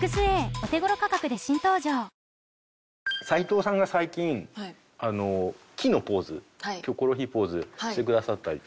齊藤さんが最近あの「キ」のポーズ『キョコロヒー』ポーズしてくださったり。